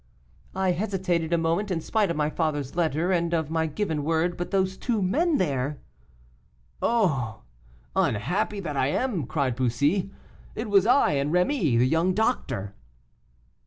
I hesitated a moment, in spite of my father's letter and of my given word, but those two men there " "Oh! unhappy that I am," cried Bussy, "it was I and Rémy, the young doctor."